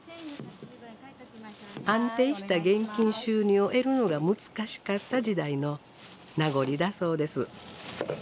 安定した現金収入を得るのが難しかった時代の名残だそうです。